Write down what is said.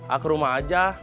ake rumah aja